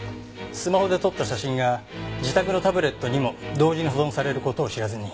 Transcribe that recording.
スマホで撮った写真が自宅のタブレットにも同時に保存される事を知らずに。